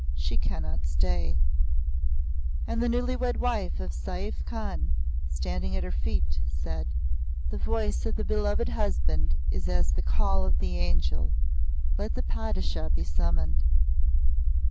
She cannot stay." And the newly wed wife of Saif Khan, standing at her feet, said, "The voice of the beloved husband is as the Call of the Angel. Let the Padishah be summoned."